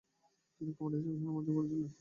তিনি কমান্ডার হিসেবে সুনাম অর্জন করেছিলেন।